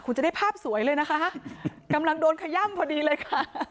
คุณจะได้ภาพสวยเลยนะคะกำลังโดนขย่ำพอดีเลยค่ะ